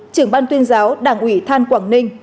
trưởng ban tuyên giáo đảng ủy than quảng ninh